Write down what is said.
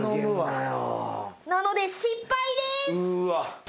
なので失敗です。